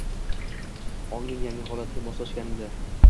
ongning yangi holatiga moslashganingda